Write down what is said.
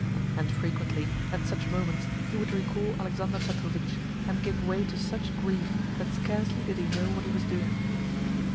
And frequently, at such moments he would recall Alexander Petrovitch, and give way to such grief that scarcely did he know what he was doing.